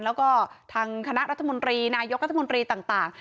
แล้วก็ทางคณะรัฐมนตรีนายกรัฐมนตรีต่าง